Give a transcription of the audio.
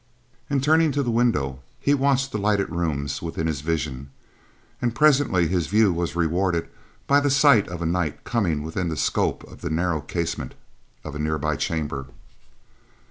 Again turning to the window, he watched the lighted rooms within his vision, and presently his view was rewarded by the sight of a knight coming within the scope of the narrow casement of a nearby chamber.